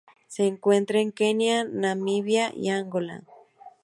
Se encuentra en Kenia, Namibia y Angola.